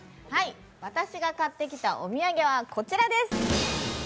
私が買ってきたお土産はこちらです。